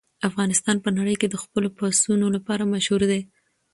افغانستان په نړۍ کې د خپلو پسونو لپاره مشهور دی.